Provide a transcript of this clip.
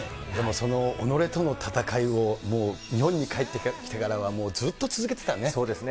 その、己との闘いを、もう日本に帰ってきてからは、ずっと続けてたね。